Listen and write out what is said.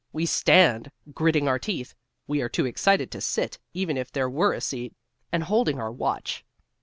We stand, gritting our teeth (we are too excited to sit, even if there were a seat) and holding our watch.